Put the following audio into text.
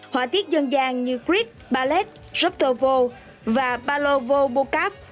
họa tiết dân gian như grit ballet roptovo và palovo bokap